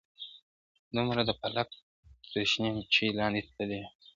دومره د فلک تر شنې مېچني لاندي تللی یم !.